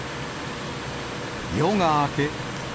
夜が明け。